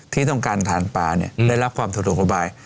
ที่ต้องการทานปลาเนี้ยอืมได้รับความถูกถูกประบาย